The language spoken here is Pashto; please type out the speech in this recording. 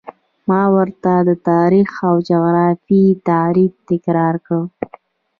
ما ورته د تاریخ او جغرافیې تعریف تکرار کړ.